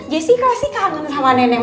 jessy pasti kangen sama neneng